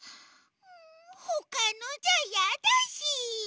ほかのじゃいやだし。